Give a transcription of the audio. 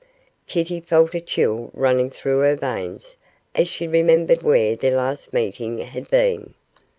Kitty felt a chill running through her veins as she remembered where their last meeting had been.